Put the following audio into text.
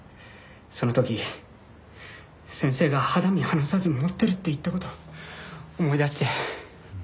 その時先生が肌身離さず持ってるって言った事思い出して。